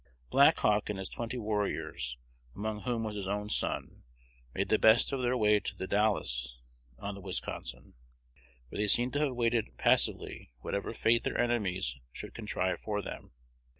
Black Hawk and his twenty warriors, among whom was his own son, made the best of their way to the Dalles on the Wisconsin, where they seem to have awaited passively whatever fate their enemies should contrive for them.